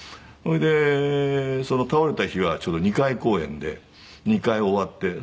それで倒れた日はちょうど２回公演で２回終わって。